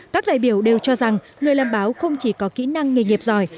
các đại biểu đều cho rằng người làm báo không chỉ có kỹ năng nghề nghiệp giỏi